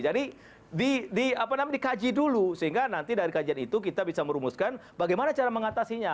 jadi dikaji dulu sehingga nanti dari kajian itu kita bisa merumuskan bagaimana cara mengatasinya